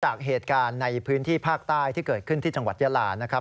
จากเหตุการณ์ในพื้นที่ภาคใต้ที่เกิดขึ้นที่จังหวัดยาลานะครับ